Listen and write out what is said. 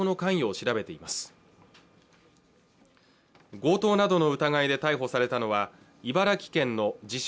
強盗などの疑いで逮捕されたのは茨城県の自称